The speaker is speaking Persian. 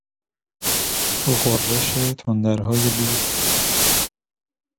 غرش تندرهای دور